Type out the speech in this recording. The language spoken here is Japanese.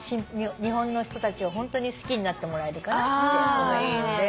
日本の人たちを好きになってもらえるかなって思うので。